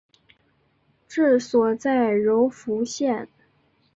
治所在柔服县。